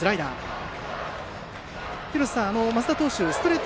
廣瀬さん、升田投手ストレート